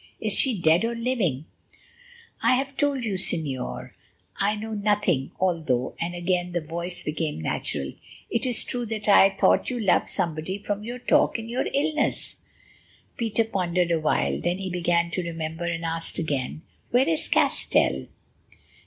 Is she dead or living?" "I have told you, Señor, I know nothing, although"—and again the voice became natural—"it is true that I thought you loved somebody from your talk in your illness." Peter pondered a while, then he began to remember, and asked again: "Where is Castell?"